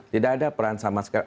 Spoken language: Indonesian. tidak ada peran sama sekali